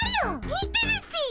見てるっピ。